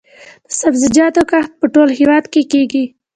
د سبزیجاتو کښت په ټول هیواد کې کیږي